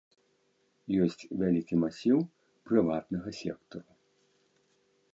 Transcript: Ёсць вялікі масіў прыватнага сектару.